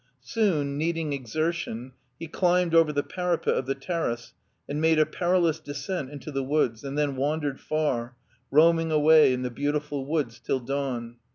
Soon, need ing exertion, he climbed over the parapet of the ter race and made a perilous descent into the woods, and then wandered far, roaming away in the beautiful woods till dawn.